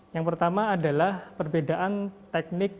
yang pertama adalah perbedaan teknik